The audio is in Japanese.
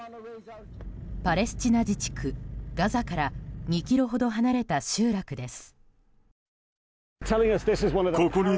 パレスチナ自治区ガザから２ｋｍほど離れた集落です。